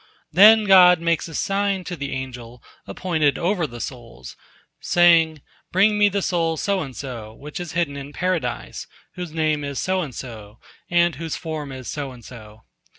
Then God makes a sign to the angel appointed over the souls, saying, "Bring Me the soul so and so, which is hidden in Paradise, whose name is so and so, and whose form is so and so."